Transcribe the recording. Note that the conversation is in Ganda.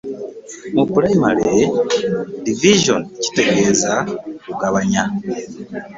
Mu pulayimale: "Division" kitegeeza kugabanya